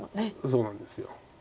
そうなんです。